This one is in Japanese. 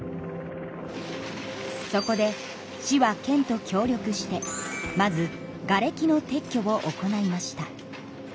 そこで市は県と協力してまずがれきの撤去を行いました。